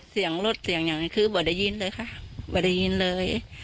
เสียงรถเสียงอย่างนี้คือไม่ได้ยินเลยค่ะไม่ได้ยินเลย